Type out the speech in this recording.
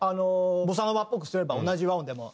ボサノバっぽくすれば同じ和音でも。